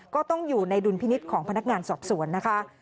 ก็ต้องอยู่ในดุลพินิษฐ์ของพนักงานสอบสวนนะคะ